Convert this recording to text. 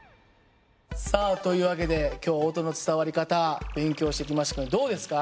さあという訳で今日は音の伝わり方勉強してきましたけどどうですか？